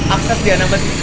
akses di anambas ini